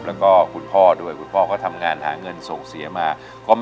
แล้วก็คุณพ่อด้วยคุณพ่อก็ทำงานหาเงินส่งเสียมาก็ไม่เยอะเท่าไหร่